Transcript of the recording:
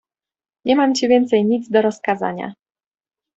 "Nie mam ci więcej nic do rozkazania."